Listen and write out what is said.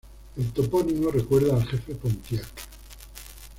El topónimo recuerda el Jefe Pontiac.